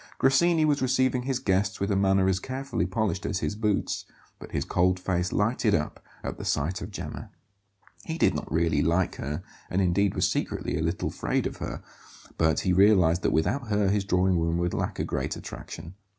Grassini was receiving his guests with a manner as carefully polished as his boots; but his cold face lighted up at the sight of Gemma. He did not really like her and indeed was secretly a little afraid of her; but he realized that without her his drawing room would lack a great attraction.